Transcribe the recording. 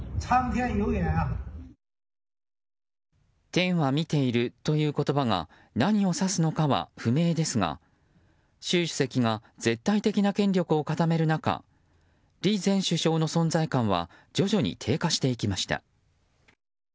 「天は見ている」という言葉が何を指すのかは不明ですが習主席が絶対的な権力を固める中李前首相の存在感は徐々に低下していきました。